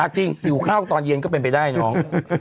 จริงหิวข้าวตอนเย็นก็เป็นไปได้น้อง